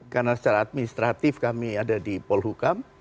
karena secara administratif kami ada di polhukam